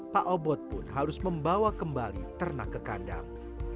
pak obot pun harus membawa kembali ternak ke kandang